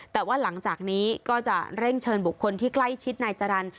แต่ว่าหลังจากนี้ก็จะเร่งเชิญบุคคลที่ใกล้ชิดนายจรรย์